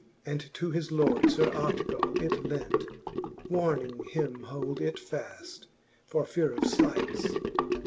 And to his lord Sir Artegall it lent, Warning him hold it faft, for feare of flights.